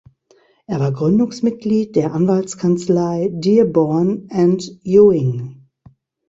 Er war Gründungsmitglied der Anwaltskanzlei "Dearborn and Ewing".